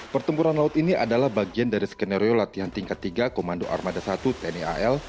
pertempuran laut ini adalah bagian dari skenario latihan tingkat tiga komando armada satu tni al